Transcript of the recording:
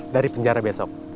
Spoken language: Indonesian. dari penjara besok